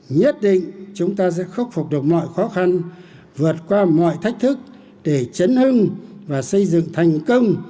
nhất định chúng ta sẽ khắc phục được mọi khó khăn vượt qua mọi thách thức để chấn hương và xây dựng thành công